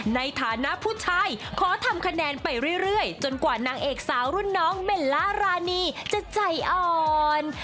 ในฐานะผู้ชายขอทำคะแนนไปเรื่อยจนกว่านางเอกสาวรุ่นน้องเมลล่ารานีจะใจอ่อน